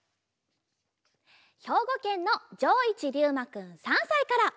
ひょうごけんのじょういちりゅうまくん３さいから。